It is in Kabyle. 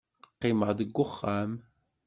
Qqimeɣ deg uxxam.